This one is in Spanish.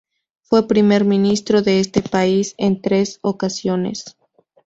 Fue primer ministro de este país en tres ocasiones.